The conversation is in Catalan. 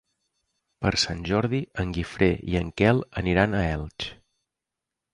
Per Sant Jordi en Guifré i en Quel aniran a Elx.